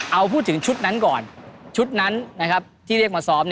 เอาพูดถึงชุดนั้นก่อนชุดนั้นที่เรียกมาซ้อม